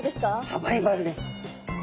サバイバルです。